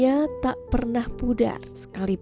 kita berusaha selrat kerajaannya